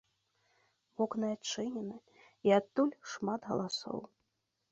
Вокны адчынены, і адтуль шмат галасоў.